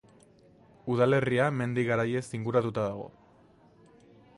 Udalerria mendi garaiez inguratuta dago.